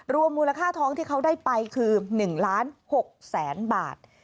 มูลค่าท้องที่เขาได้ไปคือ๑ล้าน๖แสนบาท